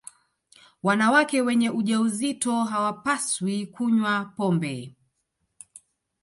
wanawake wenye ujauzito hawapaswi kunywa pombe